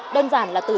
đơn giản là từ lời